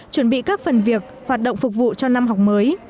chuẩn bị các phần việc hoạt động phục vụ cho năm học mới